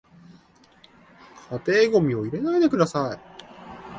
家庭ゴミを入れないでください